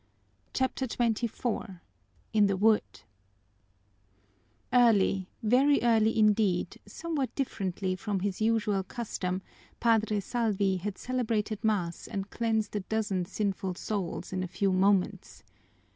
CHAPTER XXIV In the Wood Early, very early indeed, somewhat differently from his usual custom, Padre Salvi had celebrated mass and cleansed a dozen sinful souls in a few moments.